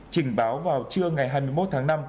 trình báo vào trưa ngày hai mươi một tháng năm